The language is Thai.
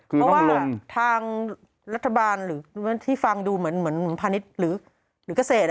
เพราะว่าทางรัฐบาลหรือที่ฟังดูเหมือนพาณิชย์หรือเกษตร